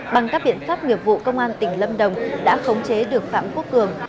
bằng các biện pháp nghiệp vụ công an tỉnh lâm đồng đã khống chế được phạm quốc cường